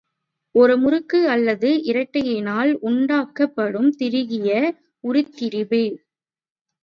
ஒரு முறுக்கு அல்லது இரட்டையினால் உண்டாக்கப் படும் திருகிய உருத்திரிபு.